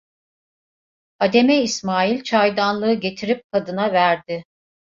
Hademe İsmail çaydanlığı getirip kadına verdi.